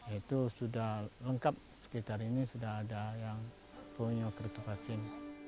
itu sudah lengkap sekitar ini sudah ada yang punya kriptovasi